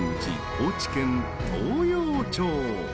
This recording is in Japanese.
高知県東洋町。